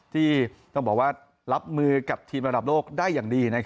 ที่ต้องบอกว่ารับมือกับทีมระดับโลกได้อย่างดี